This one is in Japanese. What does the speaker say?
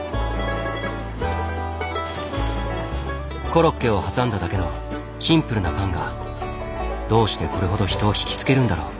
コロッケをはさんだだけのシンプルなパンがどうしてこれほど人を惹きつけるんだろう。